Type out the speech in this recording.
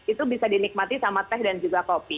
itu bisa dinikmati sama teh dan juga kopi